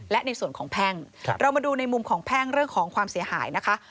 และในส่วนของแพ่งเรามาดูในมุมของแพ่งเรื่องของความเสียหายนะคะ